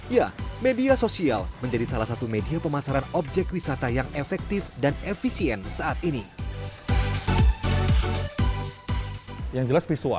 ya media sosial menjadi salah satu media pemasaran objek wisata yang efektif dan efisien saat ini